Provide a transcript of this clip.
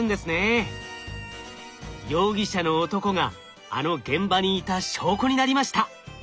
容疑者の男があの現場にいた証拠になりました。